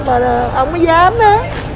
mà ông có dám á